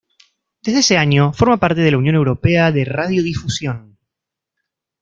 Desde ese año, forma parte de la Unión Europea de Radiodifusión.